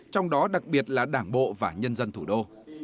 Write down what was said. trong đó đặc biệt là đảng bộ và nhân dân thủ đô